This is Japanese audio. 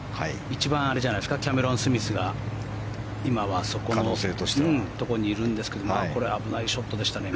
一番キャメロン・スミスが今はそこのところにいるんですけどこれ、危ないショットでしたね。